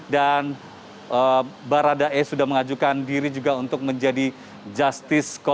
dan barada e sudah mengajukan diri juga untuk mencari penembakan